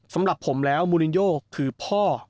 สำหรับผมแล้วมูลินโยคือพ่อ